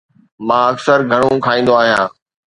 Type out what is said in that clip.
مان اڪثر گهڻو کائيندو آهيان